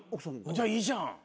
じゃあいいじゃん。